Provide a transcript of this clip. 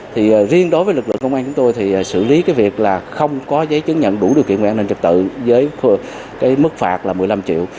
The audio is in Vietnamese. thì riêng đối với lực lượng công an chúng tôi thì xử lý cái việc là không có giấy chứng nhận đủ điều kiện về an ninh trật tự với cái mức phạt là một mươi năm triệu